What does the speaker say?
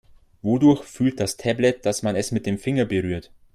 Wodurch fühlt das Tablet, dass man es mit dem Finger berührt?